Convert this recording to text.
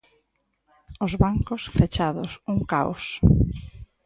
Os bancos fechados, un caos.